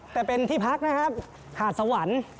แต่เป็นที่พักนะครับหาดสวรรค์